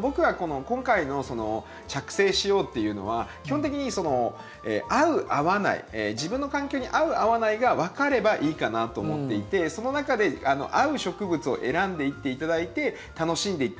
僕は今回の着生しようっていうのは基本的に合う合わない自分の環境に合う合わないが分かればいいかなと思っていてその中で合う植物を選んでいっていただいて楽しんでいっていただく。